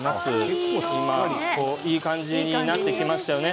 いい感じになってきましたよね。